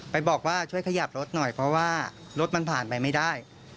ไปบอกว่าช่วยขยับรถหน่อยเพราะว่ารถมันผ่านไปไม่ได้